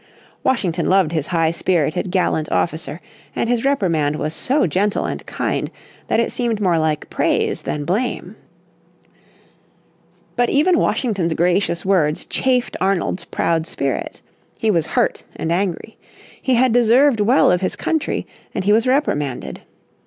Washington loved his high spirited, gallant officer, and his reprimand was so gentle and kind that it seemed more like praise than blame. But even Washington's gracious words chafed Arnold's proud spirit. He was hurt and angry. He had deserved well of his country, and he was reprimanded.